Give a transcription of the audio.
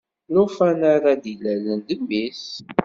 Lufan-a ara d-ilalen d mmi-s.